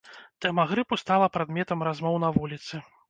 Тэма грыпу стала прадметам размоў на вуліцы.